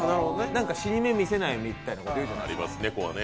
死に目、見せないみたいなこと言うじゃないですか、猫は。